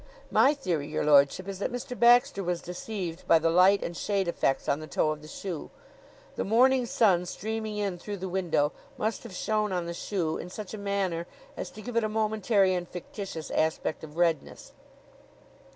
"My theory, your lordship, is that Mr. Baxter was deceived by the light and shade effects on the toe of the shoe. The morning sun, streaming in through the window, must have shone on the shoe in such a manner as to give it a momentary and fictitious aspect of redness.